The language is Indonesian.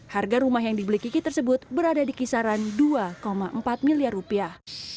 harga rumah yang dibeli kiki tersebut berada di kisaran dua empat miliar rupiah